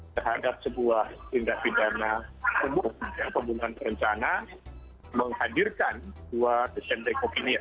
terhadap sebuah tindak pidana pembunuhan berencana menghadirkan dua desenteng opinian